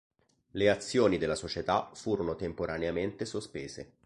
Le azioni della società furono temporaneamente sospese.